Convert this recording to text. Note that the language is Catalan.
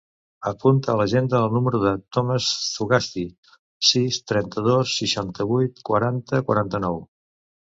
Apunta a l'agenda el número del Thomas Zugasti: sis, trenta-dos, seixanta-vuit, quaranta, quaranta-nou.